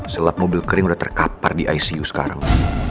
sebab mobil kering udah terkapar di icu sekarang